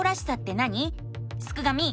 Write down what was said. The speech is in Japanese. すくがミ！